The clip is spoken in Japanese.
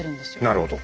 なるほど。